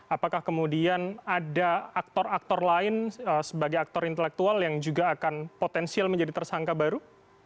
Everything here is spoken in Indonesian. apakah kemudian ada aktor aktor lain sebagai aktor intelektual yang juga akan potensial menjadi tersangka baru